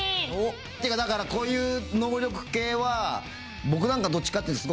ていうかだからこういう能力系は僕なんかどっちかっていうと。